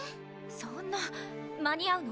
そんな間に合うの？